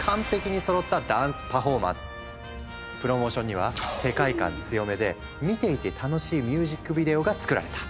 プロモーションには世界観強めで見ていて楽しいミュージックビデオが作られた。